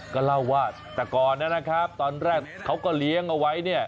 ก็เล่าว่าแต่ก่อนนะครับตอนแรกเขาก็เลี้ยงเอาไว้เนี่ย